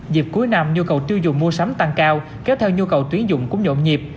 dịp cuối năm nhu cầu tiêu dùng mua sắm tăng cao kéo theo nhu cầu tuyến dụng cũng nhộn nhịp